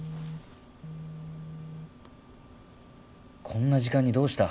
こんな時間にどうした？